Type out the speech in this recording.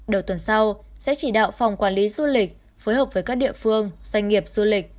đầu tuần sau sẽ chỉ đạo phòng quản lý du lịch phối hợp với các địa phương doanh nghiệp du lịch